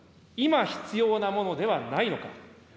今必要なものではないのか。